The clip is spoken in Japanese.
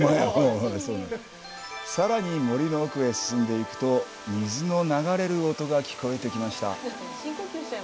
さらに森の奥へ進んでいくと水の流れる音が聞こえてきました。